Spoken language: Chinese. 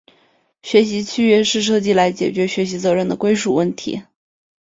学习契约是设计来解决学习责任的归属问题。